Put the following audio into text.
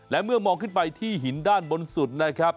และเมื่อมองขึ้นไปที่หินด้านบนสุดนะครับ